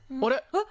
えっ？